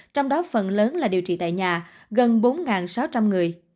trong đó phần lớn là điều trị tại nhà gần bốn sáu trăm linh người